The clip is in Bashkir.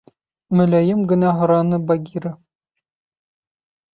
— Мөләйем генә һораны Багира.